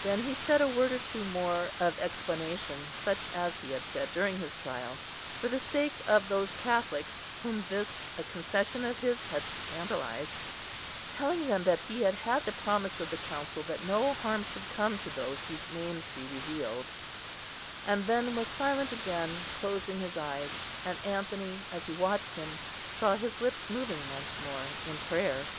Then he said a word or two more of explanation, such as he had said during his trial, for the sake of those Catholics whom this a concession of his had scandalised, telling them that he had had the promise of the Council that no harm should come to those whose names he revealed; and then was silent again, closing his eyes; and Anthony, as he watched him, saw his lips moving once more in prayer.